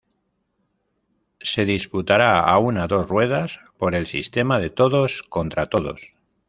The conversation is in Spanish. Se disputará a una dos ruedas, por el sistema de todos contra todos.